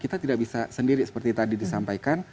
kita tidak bisa sendiri seperti tadi disampaikan